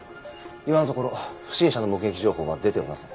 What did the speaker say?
今のところ不審者の目撃情報は出ていません。